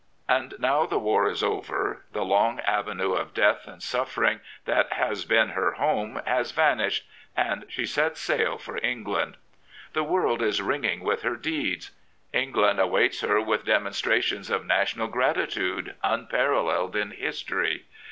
And now the war is over, the long avenue of death and suffering that has been her home has vanished, and she sets sail for England. The world is ringing with her deeds. England awaits her with demonstra tions of national gratitude unparalleled in history.